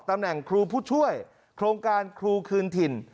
ตำแหน่งครูผู้ช่วยโครงการครูคืนถิ่น